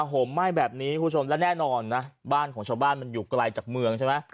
ห่มไหม้แบบนี้คุณผู้ชมและแน่นอนนะบ้านของชาวบ้านมันอยู่ไกลจากเมืองใช่ไหม